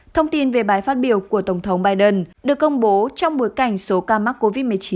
thông tin về bài phát biểu của tổng thống biden được công bố trong bối cảnh số ca mắc covid một mươi chín